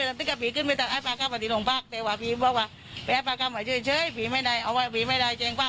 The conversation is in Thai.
ซึ่งกะปีขึ้นไปตัดไอ้ปากก้าวมาที่ตรงภาคเดี๋ยวว่าพี่บอกว่า